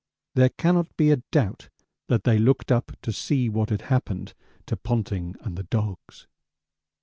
There cannot be a doubt that they looked up to see what had happened to Ponting and the dogs.